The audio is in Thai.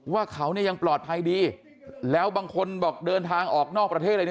ว่าเขาเนี่ยยังปลอดภัยดีแล้วบางคนบอกเดินทางออกนอกประเทศเลยนะ